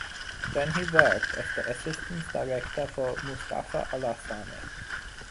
Then he worked as the assistant director for Moustapha Alassane.